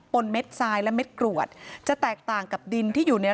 นเม็ดทรายและเม็ดกรวดจะแตกต่างกับดินที่อยู่ใน